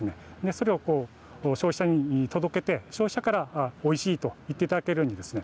それを消費者に届けて出消費者からおいしいと言っていただけるようにですね。